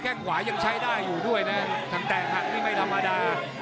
แก้งขวายังใช้ได้อยู่ด้วยนะแต่หักนี้ไม่รามดา